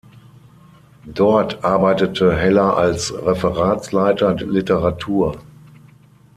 Dort arbeitete Heller als Referatsleiter Literatur.